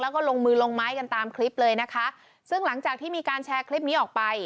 แล้วก็ลงมือลงไม้กันตามคลิปเลยนะคะซึ่งหลังจากที่มีการแชร์คลิปนี้ออกไป